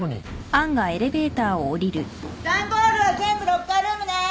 ・段ボールは全部ロッカールームね！